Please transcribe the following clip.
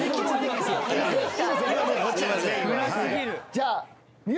じゃあ。